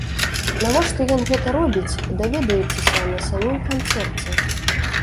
Навошта ён гэта робіць, даведаецеся на самім канцэрце!